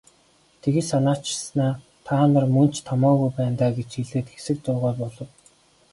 Тэгж санааширснаа "Та нар мөн ч томоогүй байна даа" гэж хэлээд хэсэг дуугүй болов.